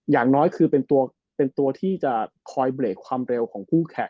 อย่างน้อยคือเป็นตัวที่จะคอยเบรกความเร็วของคู่แข่ง